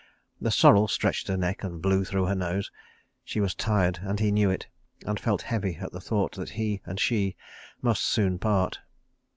The sorrel stretched her neck and blew through her nose. She was tired and he knew it, and felt heavy at the thought that he and she must soon part.